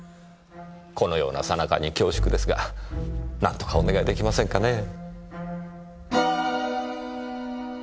このような最中に恐縮ですが何とかお願いできませんかねぇ？